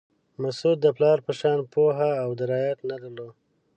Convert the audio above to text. مسعود د پلار په شان پوهه او درایت نه درلود.